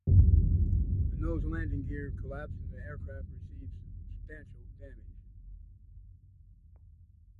The nose landing gear collapsed and the aircraft received substantial damage.